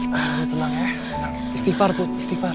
nah lu tenang ya istighfar put istighfar